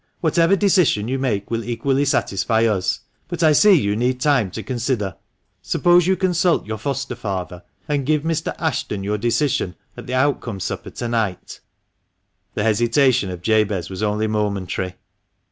Whatever decision you make will equally satisfy us. But I see you need time to consider. THE MANCHESTER MAN. 257 Suppose you consult your foster father, and give Mr Ashton your decision at the outcome supper to night" The hesitation of Jabez was only momentary.